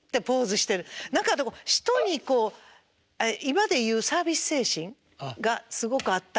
何か人にこう今で言うサービス精神がすごくあったなあ。